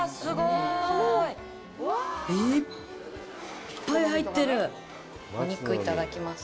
いっぱい入ってるお肉いただきます